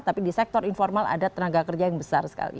tapi di sektor informal ada tenaga kerja yang besar sekali